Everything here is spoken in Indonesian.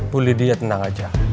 bu lydia tenang aja